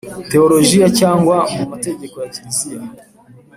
Tewolojiya cyangwa mu Mategeko ya Kiliziya